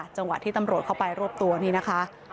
จังหวะที่ตำรวจเข้าไปรวบตัวนี่นะคะ